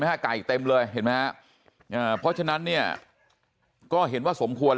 ไก่เต็มเลยเห็นไหมฮะอ่าเพราะฉะนั้นเนี่ยก็เห็นว่าสมควร